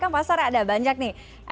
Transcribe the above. kan pasar ada banyak nih